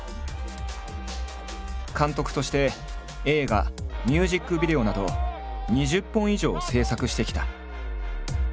監督として映画ミュージックビデオなど２０本以上を制作してきた。